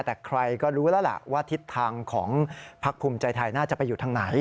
แต่ใครก็รู้แล้วล่ะว่าทิศทางของพักภูมิใจไทยน่าจะไปอยู่ทางไหน